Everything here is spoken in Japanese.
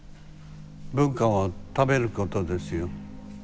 文化を食べることですよ。